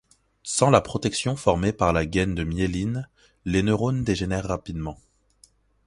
Sans la protection formée par la gaine de myéline les neurones dégénèrent rapidement.